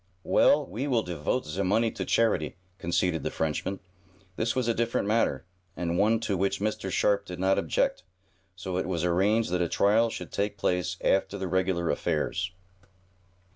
"Well, we will devote ze money to charity," conceded the Frenchman. This was a different matter, and one to which Mr. Sharp did not object, so it was arranged that a trial should take place after the regular affairs.